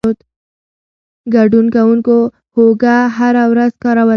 ګډون کوونکو هوږه هره ورځ کاروله.